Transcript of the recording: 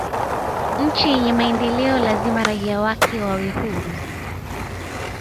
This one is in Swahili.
nchi yenye maendeleo lazima raia wake wawe huru